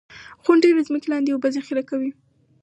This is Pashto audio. • غونډۍ د ځمکې لاندې اوبه ذخېره کوي.